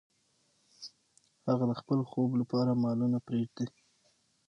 هغه د خپل خوب لپاره مالونه پریږدي.